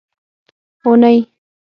اونۍ